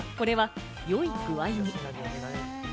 これはよい具合に。